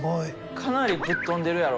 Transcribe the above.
かなりぶっ飛んでるやろ？